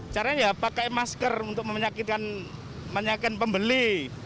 caranya ya pakai masker untuk menyakit pembeli